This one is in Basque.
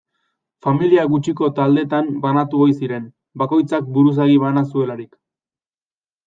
Familia gutxiko taldetan banatu ohi ziren, bakoitzak buruzagi bana zutelarik.